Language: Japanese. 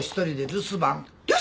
留守番。